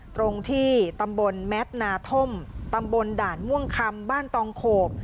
ตรงที่ตำบลแมทนาธมตำบลด่านม่วงคำบ้านตองโขบ